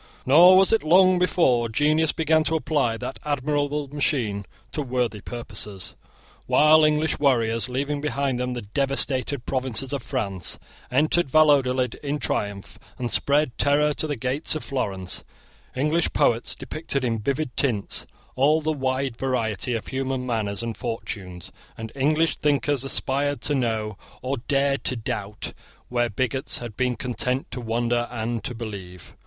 Nor was it long before genius began to apply that admirable machine to worthy purposes. While English warriors, leaving behind them the devastated provinces of France, entered Valladolid in triumph, and spread terror to the gates of Florence, English poets depicted in vivid tints all the wide variety of human manners and fortunes, and English thinkers aspired to know, or dared to doubt, where bigots had been content to wonder and to believe.